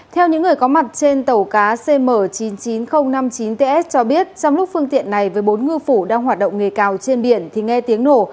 theo những người có mặt trên tàu cá cm chín mươi chín nghìn năm mươi chín ts cho biết trong lúc phương tiện này với bốn ngư phủ đang hoạt động nghề cào trên biển thì nghe tiếng nổ